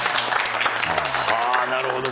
はぁなるほど。